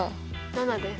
７です。